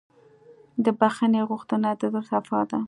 د بښنې غوښتنه د زړه صفا ده.